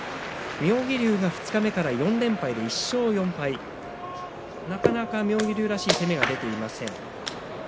妙義龍、二日目から４連敗１勝４敗なかなか妙義龍らしい攻めが出ていません。